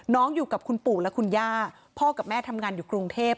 อยู่กับคุณปู่และคุณย่าพ่อกับแม่ทำงานอยู่กรุงเทพ